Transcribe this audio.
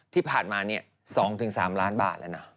ที่ผ่านมา๒๓ล้านบาทแล้วนะ